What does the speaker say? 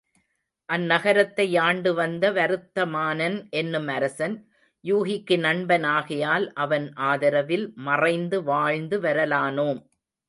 அந் நகரத்தை ஆண்டுவந்த வருத்தமானன் என்னும் அரசன், யூகிக்கு நண்பன் ஆகையால் அவன் ஆதரவில் மறைந்து வாழ்ந்து வரலானோம்.